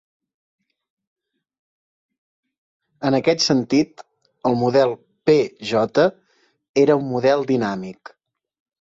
En aquest sentit, el model P-J era un model dinàmic.